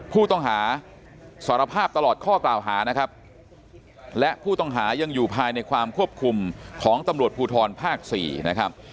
ผู้ต้องหาสารภาพตลอดข้อกล่าวหานะครับและผู้ต้องหายังอยู่ภายในความควบคุมของตำรวจภูทรภาค๔นะครับ